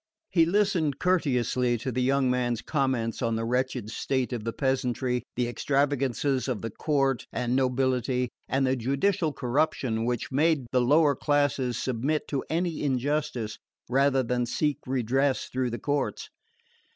He listened courteously to the young man's comments on the wretched state of the peasantry, the extravagances of the court and nobility and the judicial corruption which made the lower classes submit to any injustice rather than seek redress through the courts.